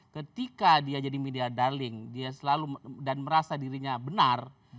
ketika dia jadi media darling dan merasa dirinya benar